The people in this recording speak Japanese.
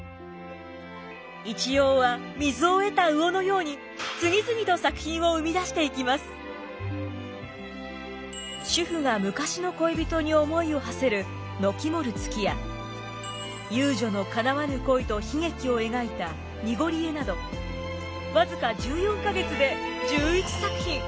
一葉は水を得た魚のように主婦が昔の恋人に思いをはせる「軒もる月」や遊女のかなわぬ恋と悲劇を描いた「にごりえ」など僅か１４か月で１１作品。